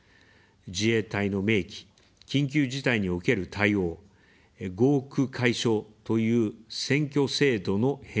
自衛隊の明記、緊急事態における対応、合区解消という選挙制度の変更、そして、教育の充実。